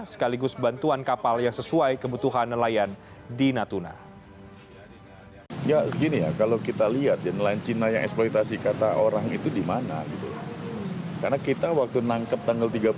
sekaligus bantuan kapal yang sesuai kebutuhan